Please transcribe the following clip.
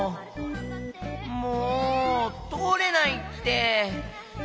もうとおれないって！